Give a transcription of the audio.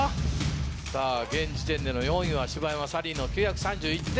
現時点での４位は柴山サリーの９３１点。